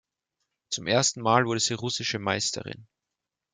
Zum ersten Mal wurde sie russische Meisterin.